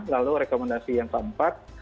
lalu rekomendasi yang keempat